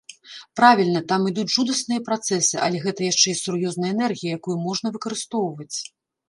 Правільна, там ідуць жудасныя працэсы, але гэта яшчэ і сур'ёзная энергія, якую можна выкарыстоўваць.